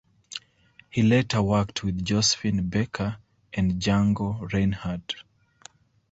He later worked with Josephine Baker and Django Reinhardt.